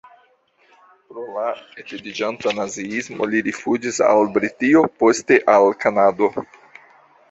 Pro la etendiĝanta naziismo li rifuĝis al Britio, poste al Kanado.